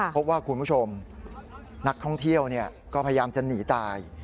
คุณผู้ชมนักท่องเที่ยวก็พยายามจะหนีตาย